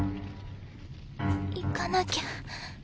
行かなきゃ。